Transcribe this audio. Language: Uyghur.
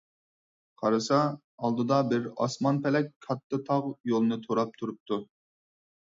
قارىسا، ئالدىدا بىر ئاسمان - پەلەك كاتتا تاغ يولىنى توراپ تۇرۇپتۇ.